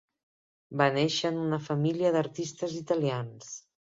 Va néixer en una família d'artistes italians.